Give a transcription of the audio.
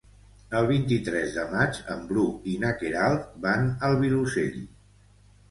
El vint-i-tres de maig en Bru i na Queralt van al Vilosell.